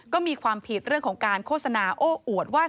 ก็มีความผิดเรื่องของการโฆษณาโอ้อวดว่า